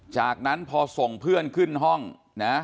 จากนั้นพอส่งเพื่อนขึ้นห้องนะ